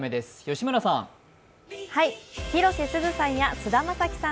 吉村さん。